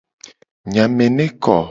Enya me ne ko.